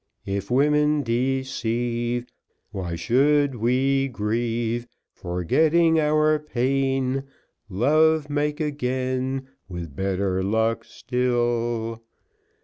If women deceive Why should we grieve? Forgetting our pain, Love make again, With better luck still.